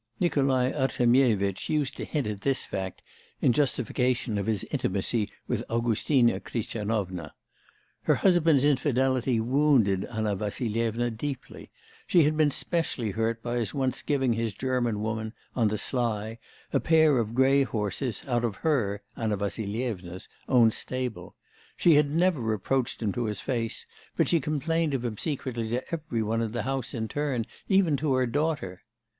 Nikolai Artemyevitch used to hint at this fact in justification of his intimacy with Augustina Christianovna. Her husband's infidelity wounded Anna Vassilyevna deeply; she had been specially hurt by his once giving his German woman, on the sly, a pair of grey horses out of her (Anna Vassilyevna's) own stable. She had never reproached him to his face, but she complained of him secretly to every one in the house in turn, even to her daughter.